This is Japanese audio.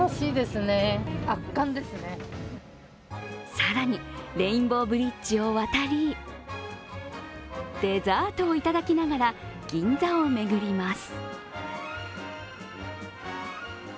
更にレインボーブリッジを渡り、デザートをいただきながら銀座を巡ります。